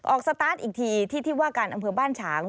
สตาร์ทอีกทีที่ที่ว่าการอำเภอบ้านฉาง